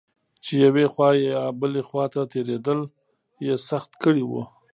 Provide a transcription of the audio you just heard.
چې یوې خوا یا بلې خوا ته تېرېدل یې سخت کړي و.